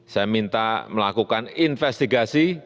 saya minta melakukan investigasi